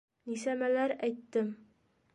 Нисәмәләр әйттем...